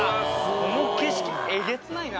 この景色えげつないな。